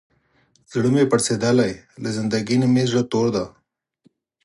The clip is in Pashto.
زړه مې پړسېدلی، له زندګۍ نه مې زړه تور دی.